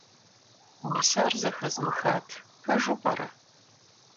Мис ар зэхэзмыхат. Пэжу пӏэрэ?